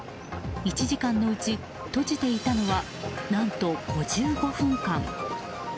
１時間のうち閉じていたのは何と５５分間。